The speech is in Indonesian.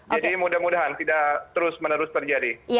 jadi mudah mudahan tidak terus menerus terjadi